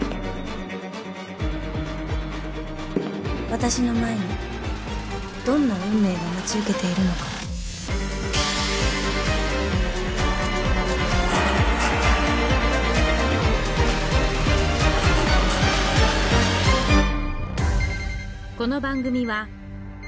私の前にどんな運命が待ち受けているのかん。